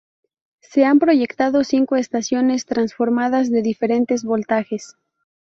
Se han proyectado cinco estaciones transformadoras de diferentes voltajes.